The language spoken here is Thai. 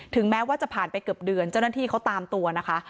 แม้ว่าจะผ่านไปเกือบเดือนเจ้าหน้าที่เขาตามตัวนะคะ